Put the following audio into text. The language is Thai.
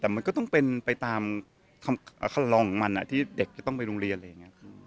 แต่มันก็ต้องเป็นไปตามคำคำคลองมันที่เด็กก็ต้องไปโรงเรียน